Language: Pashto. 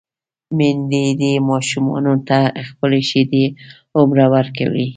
ميندې دې ماشومانو ته خپلې شېدې هرومرو ورکوي